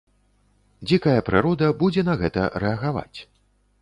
Дзікая прырода будзе на гэта рэагаваць.